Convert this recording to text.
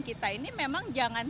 kita ini memang jangan